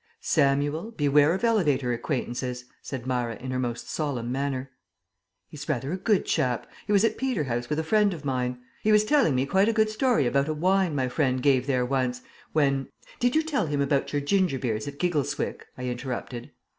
"Samuel, beware of elevator acquaintances," said Myra in her most solemn manner. "He's rather a good chap. He was at Peterhouse with a friend of mine. He was telling me quite a good story about a 'wine' my friend gave there once, when " "Did you tell him about your 'ginger beers' at Giggleswick?" I interrupted.